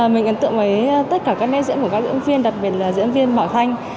mình ấn tượng với tất cả các nét diễn của các diễn viên đặc biệt là diễn viên bảo thanh